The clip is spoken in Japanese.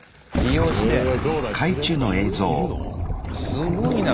すごいな。